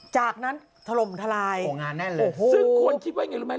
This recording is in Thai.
จากนั้นถล่มทลายโอ้งานแน่นเลยซึ่งคนคิดว่าไงรู้ไหม